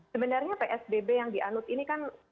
sebenarnya psbb yang dianut ini kan